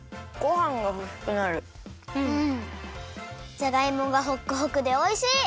じゃがいもがほっくほくでおいしい！